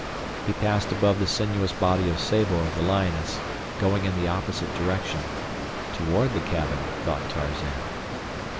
He passed above the sinuous body of Sabor, the lioness, going in the opposite direction—toward the cabin, thought Tarzan.